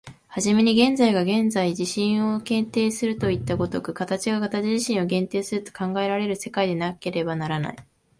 始めに現在が現在自身を限定するといった如く、形が形自身を限定すると考えられる世界でなければならない。